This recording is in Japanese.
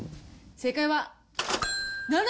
正解は。